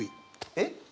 えっ？